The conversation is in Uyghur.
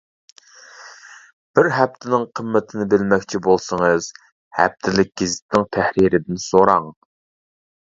بىر ھەپتىنىڭ قىممىتىنى بىلمەكچى بولسىڭىز، ھەپتىلىك گېزىتنىڭ تەھرىرىدىن سوراڭ.